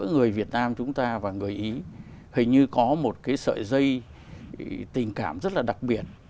người việt nam chúng ta và người ý hình như có một cái sợi dây tình cảm rất là đặc biệt